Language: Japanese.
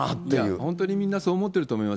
本当にみんな、そう思っていると思います。